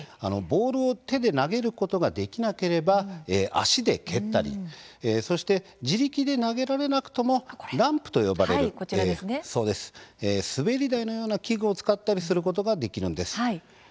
ボールを手で投げることができなければ足で蹴ったり自力で投げられなくても「ランプ」と呼ばれる滑り台のような器具を使ったりすることもできます。